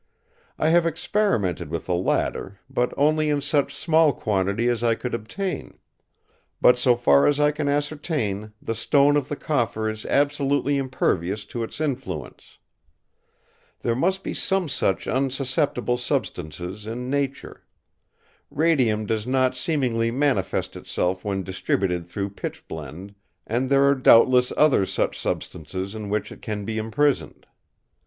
I have experimented with the latter, but only in such small quantity as I could obtain; but so far as I can ascertain the stone of the Coffer is absolutely impervious to its influence. There must be some such unsusceptible substances in nature. Radium does not seemingly manifest itself when distributed through pitchblende; and there are doubtless other such substances in which it can be imprisoned.